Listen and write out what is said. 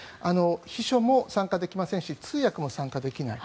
秘書も参加できませんし通訳も参加できない。